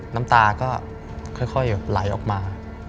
น้ำตาก็ค่อยไหลออกมา